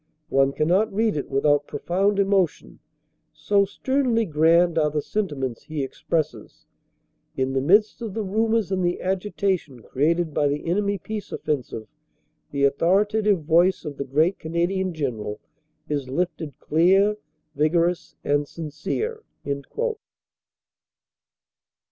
One cannot read it without profound emo tion, so sternly grand are the sentiments he expresses. In the midst of the rumors and the agitation created by the enemy peace offensive the authoritative voice of the great Canadian General is lifted clear, vigorous and sincere."